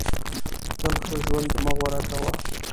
تل ښه ژوند مه غوره کوه.